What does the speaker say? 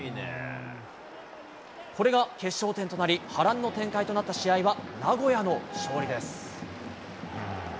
これが決勝点となり、波乱の展開となった試合は名古屋の勝利です。